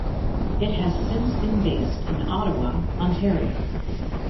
It has since been based in Ottawa, Ontario.